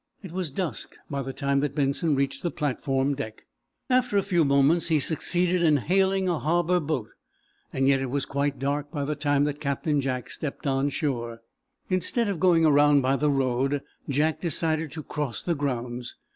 It was dusk by the time that Benson reached the platform deck. After a few moments he succeeded in hailing a harbor boat. Yet it was quite dark by the time that Captain Jack stepped on shore. Instead of going around by the road Jack decided to cross the grounds.